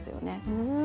うん。